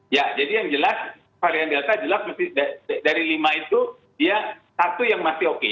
ya jadi yang jelas varian delta jelas dari lima itu dia satu yang masih oke